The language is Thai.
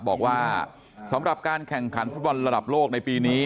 บอกว่าสำหรับการแข่งขันฟุตบอลระดับโลกในปีนี้